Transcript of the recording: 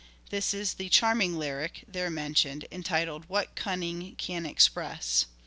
This is the " charming lyric " there mentioned, entitled " What Cunning can express ?